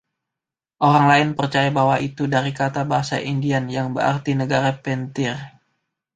Orang lain percaya bahwa itu dari kata bahasa Indian yang berarti ‘negara panter’.